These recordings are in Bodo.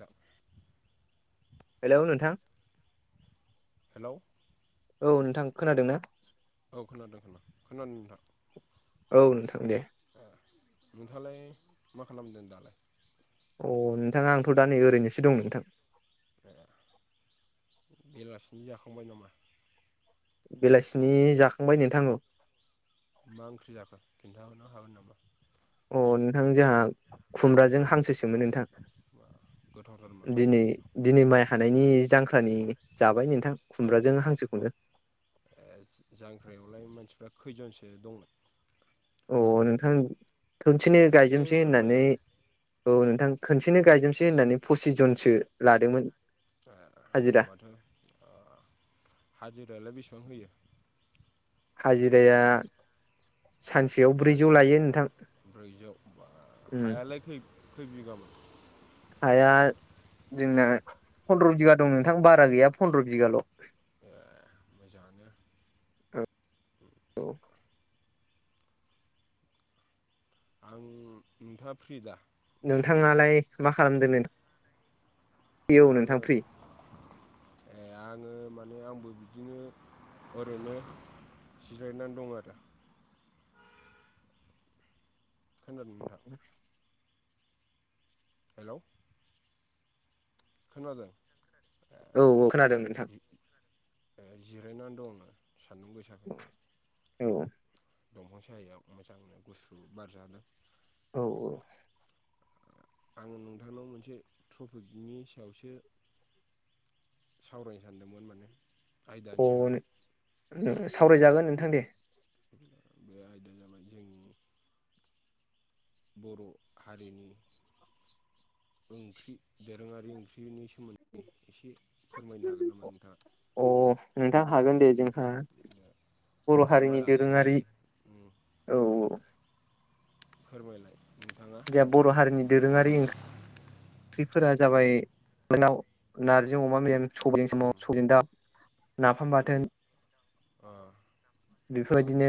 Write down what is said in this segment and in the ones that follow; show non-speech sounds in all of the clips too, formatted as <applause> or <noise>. दा हेलौ नोंथां। हेलौ औ नोंथां खोनादों ना? औ खोनादों खोना खोनादों नोंथां। औ नोंथां दे ए नोंथालाय मा खालामदों दालाय अह नोंथाङा आंथ' दा नै ओरैनोसो दं नोंथां। ज बेलासिनि जाखांबाय नामा? बेलासिनि जाखांबाय नोंथां औ। मा ओंख्रि जाखो खिन्थाहरनो हागोन नामा? अ नोंथां जोंहा खुमब्राजों हांसोसोमोन नोंथां बाह दिनै दिनै माइ हानायनि जांख्रानि जाबाय नोंथां ए खुमब्राजों हांसोखौनो जांख्रायावलाय मानसिफ्रा खैजनसो दंमोन अ नोंथां खोबसेनो एसे गायजोबसै होननानै फोरमायलाय औ नोंथां खनसेनो गायजोबसै होननानै पसिस जनसो लादोंमोन। होनबा हाजिरा माथो हाजिरायालाय बेसेबां होयो हाजिराया सानसेयाव ब्रैजौ सासेयाव लायो नोंथां ब्रैजौ बा उम हायालाय खै-खै बिगामोन हाया जोंना फनद्र' बिगा दं नोंथां बारा गैया फनद्र' बिगाल' ए मोजाङानो औ आं नोंथाङा फ्रि दा नोंथाङालाय मा खालामदों नों आङो ए आङो माने आंबो बिदिनो ओरैनो जिरायनानै दं आरो खोनादों नोंथां <unintelligible> हेल' खोनादों <unintelligible> औ औ खोनादों नोंथां ए जिरायनानै दंनो सान्दुं गोसाखाय औ दंफां सायायाव मोजांनो गुसु बारजादों औ औ आङो नोंथांनाव मोनसे थपिकनि सायावसो सावरायनो सानदोमोन माने आयदानि अ सायाव <unintelligible> सावरायजागोन नोंथां दे बे आयदाया जाबाय जोंनि बर' हारिनि ओंख्रि दोरोङारि ओंख्रिनि सोमोन्दै एसे फोरमायनो हागोन नामा नोंथाङा अ नोंथां हागोन दे जों बर' मा मा हारिनि जानाय दोरोङारि जायो उम औ औ फोरमायलाय नोंथाङा जोंहा बर' हारिनि दोरोङारि ओं ख्रिफोरा जाबाय नाव नारजि अमा उम <unintelligible> <unintelligible> नाफाम बाथोन ओ बेफोरबायदिनो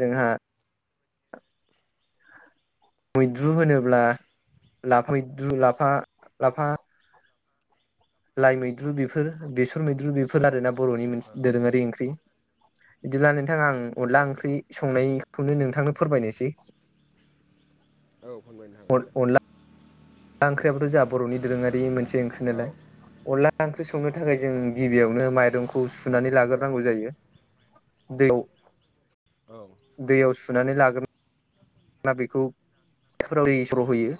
जोंहा मैद्रु होनोब्ला ला <unintelligible> मैद्रु लाफा-लाफा लाइ मैद्रु बेफोर बेसर मैद्रु बेफोर आरोना बर'नि मोनसे औ दोरोङारि ओंख्रि बिदिब्ला नोंथां आं अनला औ ओंख्रि संनायखौनो नोंथांनो फोरमायनोसै औ फोनबायनो हागोन दे अनला <unintelligible> ओंख्रियाबोथ' जोङा बर'नि दोरोङारि मोनसे ओंख्रि औ नालाय अनला ओंख्रि संनो थाखाय जों गिबियावनो माइरंखौ सुनानै औ लाग्रोनांगौ जायो <unintelligible> औ दैयाव सुनानै लागोन ना बेखौ <unintelligible> सर' होयो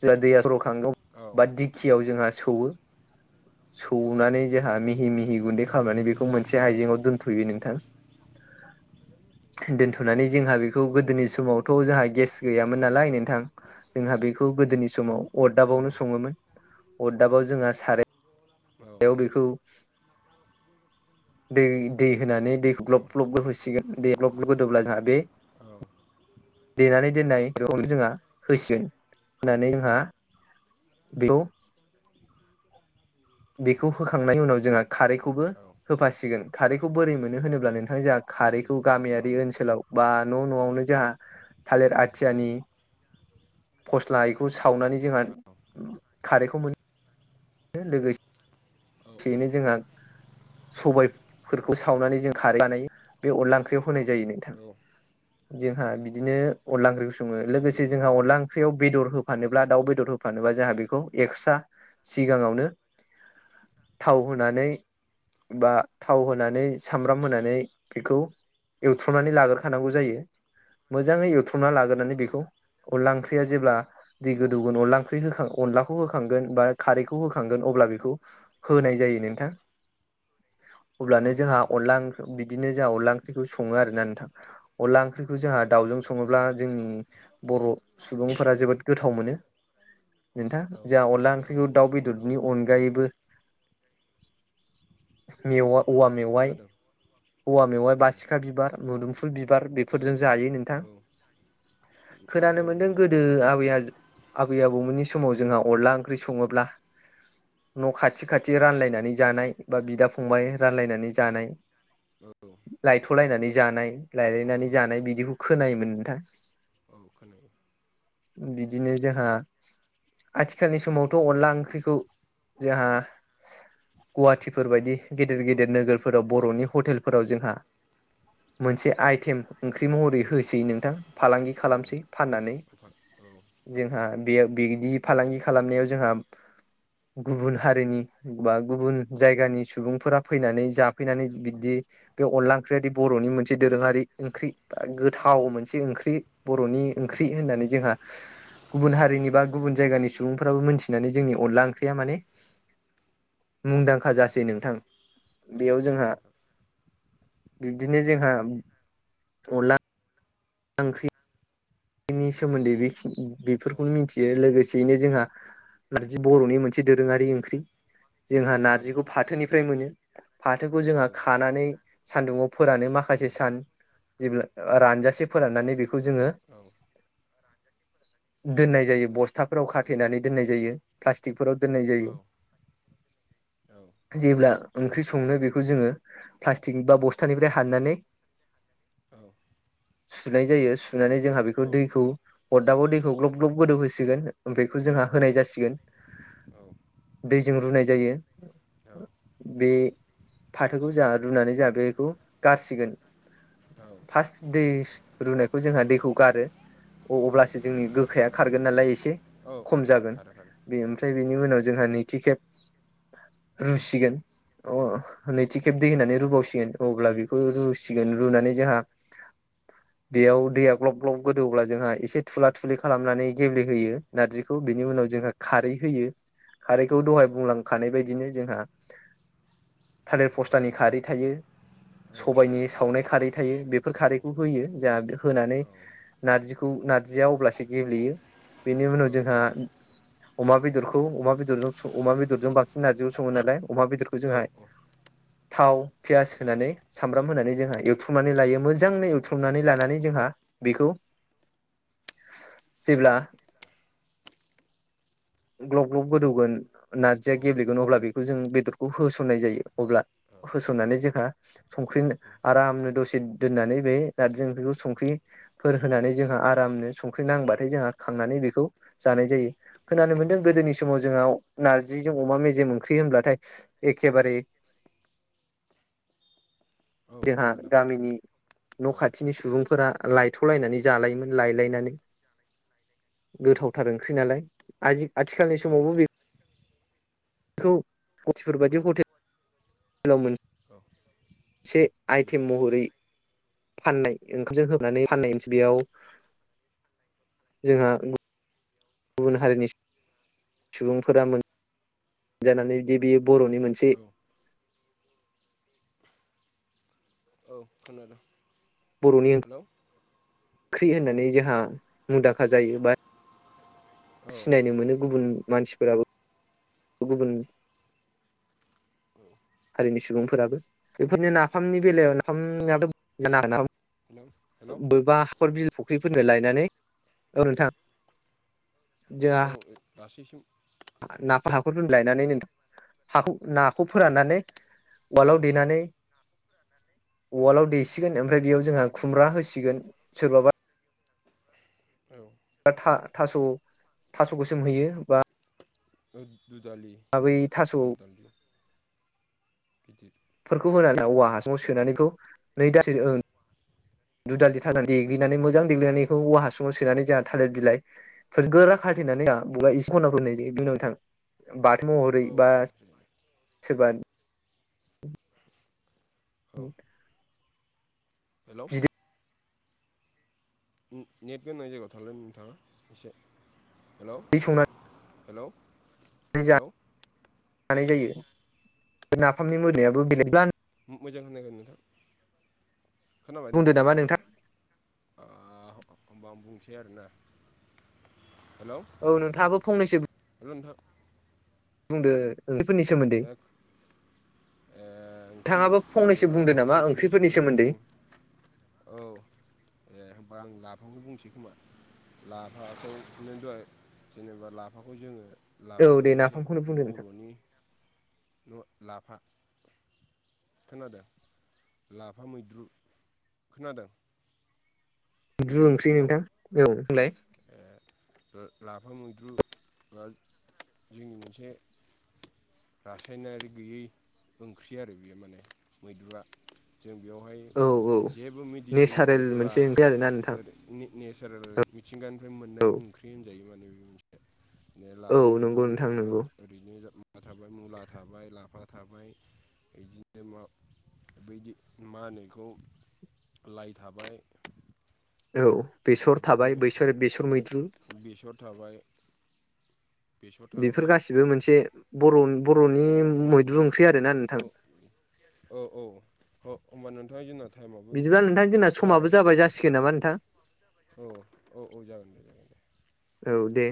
जोंहा दैया सर'खांगौ औ बा दिखियाव जोंहा सौवो सौनानै जोंहा मिहि मिहि गुन्दै खालामनानै बेखौ मोनसे आइजेंआव दोनथ'यो नोंथां <unintelligible> दोनथ'नानै जोंहा बेखौ औ गोदोनि खननानै समाव थ' थाबाय जोंहा गेस गैयामोन नालाय नोंथां जोंहा बेखौ गोदोनि समाव औ अरदाबावनो सङोमोन अरदाबाव जोंहा साराय औ बेयाव बेखौ दै-दै होनानै दैखौ ग्लब-ग्लब गोहोसिगोन दै ग्लब-ग्लब गोदौब्ला जोंहा बे औ देनानै दोननाय बेखौ जोंहा होसिगोन होनानै जोंहा बेखौ बेखौ होखांनायनि उनाव जोंहा खारैखौबो होफासिगोन खारैखौ बोरै मोनो होनोब्ला नोंथां जोंहा उम खारैखौ औ गामियारि ओनसोलाव बा न' न'आवनो जोंहा थालिर आथियानि फस्लाखौ सावनानै जोंहा औ खारैखौ मोन लोगोसे थै जोंहा सबाय फोरखौ सावनानै जों खारै बानायो बे अनला ओंख्रियाव होनाय जायो नोंथां <unintelligible> जोंहा बिदिनो अनला ओंख्रिखौ सङो औ लोगोसे जोंहा अनला ओंख्रियाव बेदर होफानोब्ला दाउ बेदर हो फानोबा जोंहा बेखौ एक्सा सिगाङावनो थाव होनानै बा थाव होनानै सामब्राम होनानै बेखौ एवथ्र'नानै लाग्रोखानांगौ जायो मोजाङै एवथ्रमना लाग्रोनानै औ बेखौ औ अनला ओंख्रिया जेब्ला दिगो दुगुन अनला ओंख्रि अनलाखौ होखांगोन बा खारैखौ होखांगोन अब्ला बेखौ होनाय जायो नोंथां अब्लानो नंगौ जोंहा अनला ओंख्रि बिदिनो जोंहा अनला ओंख्रिखौ सङो आरोना नोंथां अनला ओंख्रिखौ जोंहा दाउजों नोंथां सङोब्ला जोंनि बर' सुबुंफोरा जोबोद गोथाव मोनो नोंथा औ नंगौ नोंथां औ जोंहा अनला गोथाव ओंख्रिखौ मोनो दाउ औ बेदरनि अनगायैबो मेवा औवा मेवाइ खोनादों हौवा मेवाइ औ बासिखा बिबार मुदुमफुल बिबार औ बेफोरजों जायो नोंथां औ खोनानो नंगौ मोन्दों नोंथां गोदो आबै आ आबै आबौमोननि समाव जोंहा अनला ओंख्रि सङोब्ला न' खाथि खाथि खाथि औ रानलायनानै जानाय बा बिदा फंबाय रानलायनानै जानाय औ लायथ'लायनानै जानाय औ लायलायनानै जानाय बिदिखौ खोनायोमोन नोंथां औ खोन बिदिनो जोंहा आथिखालनि समावथ' अनला ओंख्रिखौ जोंहा गुवाहाटिफोर बायदि गेदेर गेदेर नोगोरफोराव बर'नि हटेलफोराव जोंहा मोनसे आइटेम ओंख्रि महरै होसै नोंथां फालांगि औ खालामसै फाननानै नोंथां औ जोंहा बे बिदि फालांगि खालामनायाव जोंहा गुबुन हारिनि बा गुबुन जायगानि सुबुंफोरा फैनानै जाफैनानै बिदि बे अनला ओंख्रियादि बर'नि मोनसे दोरोङारि ओंख्रि उम गोथाव मोनसे ओंख्रि बर'नि औ ओंख्रि होननानै जोंहा गुबुन हारिनि बा गुबुन जायगानि सुबुंफ्राबो मोनथिनानै जोंनि अनला ओंख्रिया माने मुंदांखा औ जासै नोंथां बेयाव नंगौ जोंहा नोंथां बिबदिनो जोंहा अनला औ ओंख्रि नि सोमोन्दै बे औ बेफोरखौनो मिथियो लोगोसेयैनो जोंहा नारजि बर'नि मोनसे दोरोङारि ओंख्रि जोंहा नारजिखौ फाथोनिफ्राय मोनो फाथोखौ जोंहा खानानै सानदुंआव फोरानो औ माखासे सान जेब्ला रानजासे फोराननानै बेखौ जोङो औ दोननाय जायो बस्थाफोराव औ खाथेनानै दोननाय जायो प्लास्टिकफोराव दोननाय औ जायो औ जेब्ला ओंख्रि संनो बेखौ जोङो प्लास्टिक बा बस्थानिफ्राय हाननानै औ सुनाय जायो सुनानै खोनादों जोंहा बे औ बे दैखौ अरदाबाव दैखौ ग्लब ग्लब गोदौ होसिगोन बेखौ औ जोंहा होनाय जासिगोन दैजों रुनाय जायो। बे फाथोखौ जों रुनानै जों बेखौ गारसिगोन औ फार्स्ट दै रुनायखौ जोंहा दैखौ गारो अ अब्लासो जोंनि गोखाया खारगोन नालाय एसे औ खम जागोन खारो खारो औ बेफ्राय फ्राय बिनि उनाव जोंहा नैथि खेब रुसिगोन औ अ नैथि खेब दै होनानै रुबावसिगोन अब्ला बेखौ औ रुसिगोन रुनानै जोंहा बेयाव दैया ग्लब ग्लब गोदौब्ला जोंहा एसे थुला थुुलि खालामनानै गेब्लेहोयो नारजिखौ औ बिनि उनाव जोंहा खारै होयो हारिखौ औ दहाय बुंलांखानाय बायदिनो जोंहा थालिर पस्थानि खारै थायो सबायाइनि सावनाय खारै थायो बेफोर खारैखौ होयो जाह होनानै नारजिखौ नारजिया अब्लासो गेबेलेयो बेनि औ उनाव जोंहा अमा बेदरखौ अमा बेदरजों अमा बेदरजों बांसिन नारजिखौ सङो नालाय अमा बेदरखौ औ जोंहाय थाव पियास होनानै। सामब्राम होनानै जोंहा एवथ्रुमनानै लायो मोजाङै एवथ्रुमनानै लानानै जोंहा बेखौ जेब्ला <inaudible> ग्लब ग्लब गोदौगोन नारजिया गेब्लेगोन अब्ला बेखौ जों बेदरखौ होसननाय जायो अब्ला होसननानै जोंहा संख्रि आरामनो दसे दोननानै बे दा जों बेखौ संख्रि फोर होनानै जोंहा आरामनो संख्रि नांबाथाय जोंहा खांनानै बेखौ जानाय जायो खोनानो मोन्दों गोदोनि समाव जोंहा नार्जिजों अमा मेजेम ओंख्रि होनब्लाथाय एखेबारे औ जोंहा खोनादों गामिनि औ न' खाथिनि सुबुंफोरा लायथ'लायनानै जालायोमोन लायलायनानै औ गोथावथार ओंख्रि नालाय आ आथिखालनि औ औ समावबो बे मसिफोर बायदि हथे अ एसे आइटेम महरै फाननाय ओंखामजों होबनानै फाननायसै बेयाव जोंहा गुबुन हारिनि सुबुंफोरा जानानै बिदि बेयो बर'नि मोनसे औ खोनादों। बर'नि ओं हेल'। ख्रि होननानै जोंहा मुदाखा जायो बा सिनायनो मोनो गुबुन मानसिफोराबो गुबुन औ हारिनि सुबुंफोराबो बेफोरनिनो नाफामनि बेलायाव नाफामाबो <unintelligible> हेलौ हेलौ बबेबा हखर बिल फुख्रिफोरनो लायनानै औ नोंथां जोंहा गासैसिम ना हाखौरफोरनिफ्राय लायनानै नोंथ हाखौ नाखौ फोराननानै औ उवालाव देनानै औ उवालाव देसिगोन ओमफ्राय बेयाव जोंहा औ खुमब्रा होसिगोन सोरबाबा औ थास' थास'खौ सोमहयो बा दु दालि बै थास' दु थास'फोरखौ दालि गिदिर फोरखौ होनानै औवा हासुाव सोनानैखौ नै दास दुधालि थाल देग्लिनानै मोजां देग्लिनानै बेखौ औवा हासुङाव सोनानै जोंहा थालिर बिलाइ फोर गोरा खाथेनानै <unintelligible> इसे उनाव होनाय जायो बेनि उनाव नोथां बाथौ महरै औ बा औ सोरबा <inaudible> हेल'। बिदै नेट गनाय जायगायाव थालोन नोंथाङा एसे हेल' बे संनाय हेल'। <inaudible> जानाय जायो नाफामनि अ मोनामनायाबो बेलेगब्ला मोजां होनांगोन नोंथां। बुंदो <unintelligible> नोंथां। ओ होमबा आं बुंसै आरोना हेलौ। औ नोंथाङाबो फंनैसो आरो नोंथां बुंदो ओंख्रि फोरनि सोमोन्दै। ए ओंख्रि नोंथाङाबो फंनैसो बुंदो नामा ओंख्रिफोरनि सोमोन्दै बुं औ ए होमबा आं नाखौनो बुंसै खोमा लाफाखौ <unintelligible> जेनेबा लाफाखौ जोङो औ लाफायाथ' दे मोनसे नाफामखौनो बुंदो नोंथां बर'नि न' लाफा खोनादों लाफा मैद्रु खोनादों। <unintelligible> ओंख्रि हेलौ नोंथां औ <unintelligible> ए लाफा मैद्रु बा जोंनि मोनसे रासायनारि गैयै ओंख्रि आरो बेयो माने मैद्रुआ जों बेयावहाय औ औ जेबो मेडिसिन नेचारेल होआ मोनसे ओंख्रि आरोना नोंथां नेचारेल मिथिंगानिफ्राय मोननाय ओंख्रि होनजायो माने बे बे औ लाफा मैद्रु नंगौ नोंथां होनोबा नंगौ ओरैनो <unintelligible> थाबाय मुला थाबाय लाफा थाबाय बिदिनो मा बैदि मा होनो इखौ लाइ थाबाय। औ बेसर बिदिनो थाबाय बेसर बेसर मैद्रु। बेसर थाबाय। बेसर बेफोर थाबाय गासिबो मोनसे बर' बर'नि औ मैद्रु ओंख्रि आरोना औ नोंथां। औ औ होमबा नोंथाङा <unintelligible> बिदिब्ला नोंथां जोंना समाबो जाबाय जासिगोन नामा नोंथां। औ औ औ जागोन दे जागोन दे। औ दे।